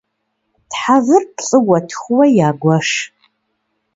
Тхьэвыр плӏыуэ-тхууэ ягуэш.